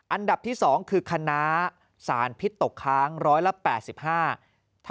อันดับที่๒คือคณะสารพิษตกค้าง๑๘๕บาท